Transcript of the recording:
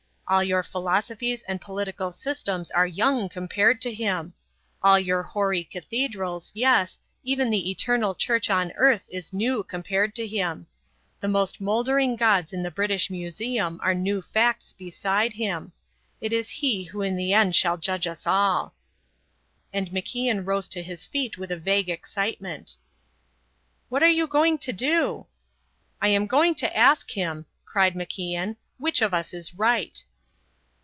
All your philosophies and political systems are young compared to him. All your hoary cathedrals, yes, even the Eternal Church on earth is new compared to him. The most mouldering gods in the British Museum are new facts beside him. It is he who in the end shall judge us all." And MacIan rose to his feet with a vague excitement. "What are you going to do?" "I am going to ask him," cried MacIan, "which of us is right."